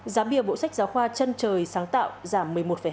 giá bìa bộ sách giáo khoa chân trời sáng tạo giảm một mươi một hai